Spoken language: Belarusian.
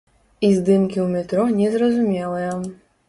І здымкі ў метро не зразумелыя.